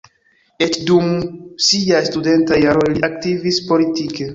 Eĉ dum siaj studentaj jaroj li aktivis politike.